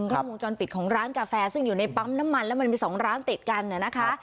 กล้องวงจรปิดของร้านกาแฟซึ่งอยู่ในปั๊มน้ำมันแล้วมันมี๒ร้านติดกันนะคะ